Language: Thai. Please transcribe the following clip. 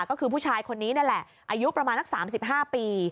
ก็คือผู้ชายคนนี้นั่นแหละอายุประมาณนักสามสิบห้าปี